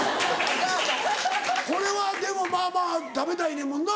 これはでも食べたいねんもんな。